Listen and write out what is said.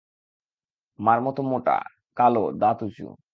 মার মতো মোটা, কালো, দাঁত উঁচু।